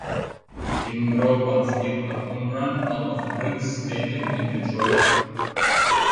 Kimbro once hit a home run out of Briggs Stadium in Detroit.